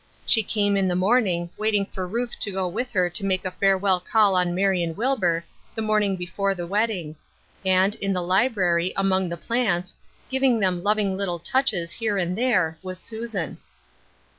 She came in the morning, waiting for Ruth to go with her to make a farewell call on Marion Wilbur, the morning before the wedding ; and in the library, among the plants, giving them loving little touches here and there, was Susan.